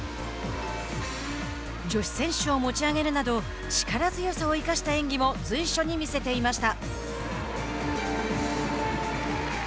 女子選手を持ち上げるなど力強さを生かした演技も随所に見せていました。